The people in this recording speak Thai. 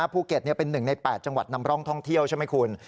ภูเก็ตเป็น๑ใน๘จังหวัดนำร่องท่องเที่ยวใช่ไหมคุณ